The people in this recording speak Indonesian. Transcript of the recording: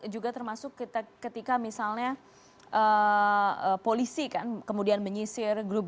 juga termasuk ketika misalnya polisi kan kemudian menyisir grup b